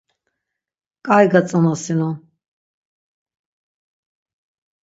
Ǩai gatzonasinon.